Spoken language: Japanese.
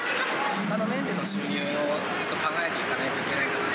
ほかの面での収入をちょっと考えていかないといけないかなって。